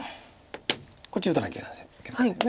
こっち打たなきゃいけません。